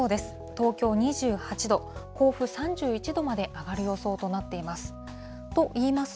東京２８度、甲府３１度まで上がる予想となっています。